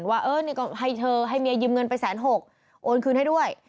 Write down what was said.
ว่าเออนี่ก็ให้เธอให้เมียยืมเงินไปแสนหกโอนคืนให้ด้วย